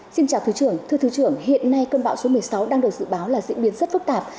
xin chào thứ trưởng thưa thứ trưởng hiện nay cơn bão số một mươi sáu đang được dự báo là diễn biến rất phức tạp